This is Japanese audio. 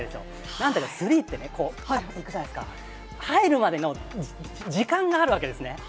なんかスリーってね、ぱっていくじゃないですか、入るまでの時間があるわけですね。